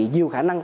nhiều khả năng